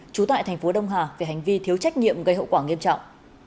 chú tại tp đông hà về hành vi thiếu trách nhiệm gây hậu quả nghiêm trọng